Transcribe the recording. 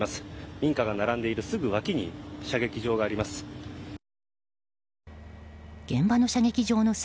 民家が並んでいるすぐ脇に射撃場があります。